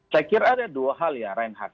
saya kira ada dua hal ya reinhardt